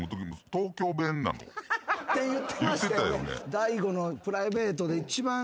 大悟のプライベートで。